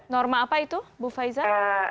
norma apa itu bu faiza